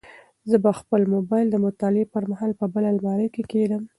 زه به خپل موبایل د مطالعې پر مهال په بل المارۍ کې کېږدم.